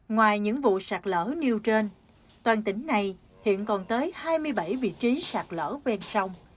ngoài những vụ sạch lỡ nêu trên toàn tỉnh này hiện còn tới hai mươi bảy vị trí sạch lỡ ven sông